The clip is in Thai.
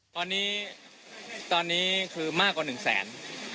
ตอนนี้ตอนนี้คือมากกว่า๑๐๐๐๐๐บาท